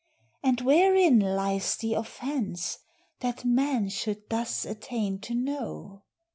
and wherein lies The offence, that man should thus attain to know?